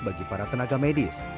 bagi para tenaga medis